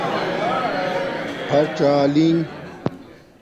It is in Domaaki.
پھاڅالنگ